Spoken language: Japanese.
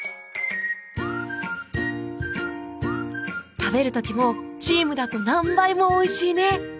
食べる時もチームだと何倍もおいしいね！